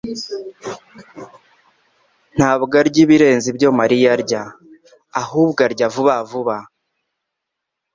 ntabwo arya ibirenze ibyo Mariya arya, ahubwo arya vuba vuba.